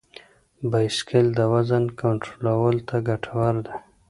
بایسکل د وزن کنټرول ته ګټور دی.